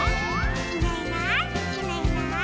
「いないいないいないいない」